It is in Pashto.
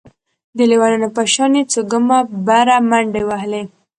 د ليونيانو په شان يې څو ګامه بره منډې وهلې.